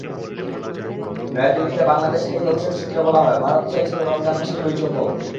নয়াদিল্লিতে বাংলাদেশ হাইকমিশন সূত্রে বলা হয়, ভারত চেয়েছিল রমজান মাসেই বৈঠক হোক।